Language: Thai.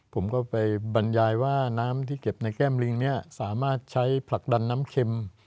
ผมก็ไปบรรยายว่าน้ำที่เก็บในแก้มลิงเนี่ยสามารถใช้ผลักดันน้ำเข็ม